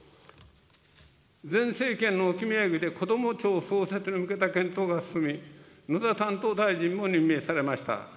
前政権の置き土産で、こども庁創設に向けた検討が進み、野田担当大臣も任命されました。